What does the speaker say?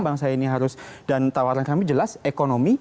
bangsa ini harus dan tawaran kami jelas ekonomi